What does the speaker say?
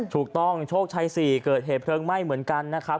โชคชัย๔เกิดเหตุเพลิงไหม้เหมือนกันนะครับ